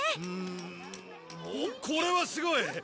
うーんおっこれはすごい！